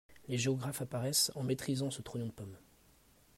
Les géographes apparaissent en maîtrisant ce trognon de pomme.